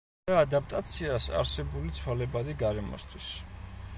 და ადაპტაციას არსებული ცვალებადი გარემოსთვის.